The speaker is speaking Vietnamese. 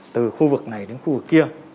từ khu vực này đến khu vực kia